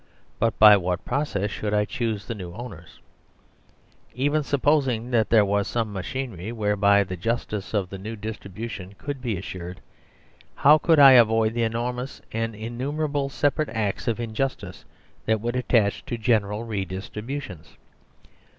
But by what process should I choose the new owners ? Even supposing that there was some ma chinery whereby the justice of the new distribution could be assured, how could I avoid the enormous and innumerable separate acts of injustice that would attach togeneral redistributions?